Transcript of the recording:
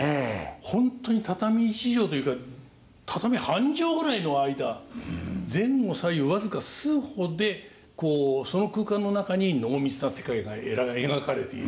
ホントに畳一畳というか畳半畳ぐらいの間前後左右僅か数歩でその空間の中に濃密な世界が描かれている。